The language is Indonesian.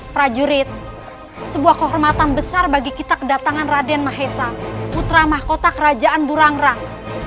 prajurit sebuah kehormatan besar bagi kita kedatangan raden maisa putra mahkota kerajaan burang rang